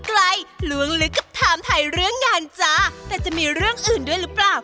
ไกลล้วงลึกกับถามไทยเรื่องงานจ้าแต่จะมีเรื่องอื่นด้วยหรือเปล่า